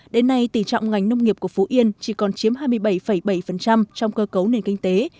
đến nay tỉ trọng ngành nông nghiệp của phú yên chỉ còn chiếm hai mươi bảy bảy trong cơ cấu nền kinh tế